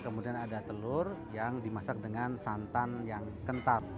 kemudian ada telur yang dimasak dengan santan yang kental